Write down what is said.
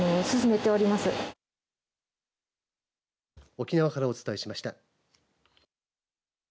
沖縄からお伝えしました。